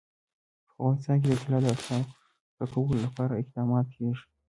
په افغانستان کې د طلا د اړتیاوو پوره کولو لپاره اقدامات کېږي.